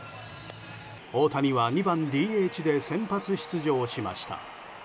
大谷は２番ＤＨで先発出場しました。